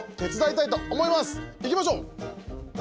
行きましょう！